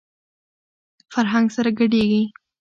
فرهنګ سره ګډېږي.